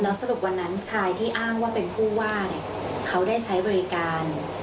สรุปวันนั้นชายที่อ้างว่าเป็นผู้ว่าเขาได้ใช้บริการ